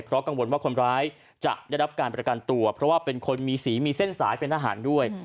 เพราะกังวลว่าคนร้ายจะได้รับการประกันตัวเพราะว่าเป็นคนมีสีมีเส้นสายเป็นทหารด้วย